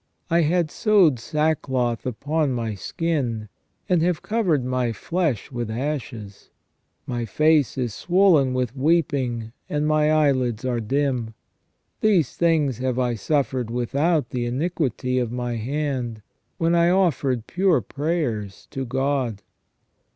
I had sewed sackcloth upon my skin, and have covered my flesh with ashes. My face is swollen with weeping, and my eyelids are dim. These things have I suffered without the iniquity of my hand, when I offered pure prayers to God.